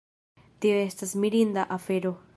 Tio estas mirinda afero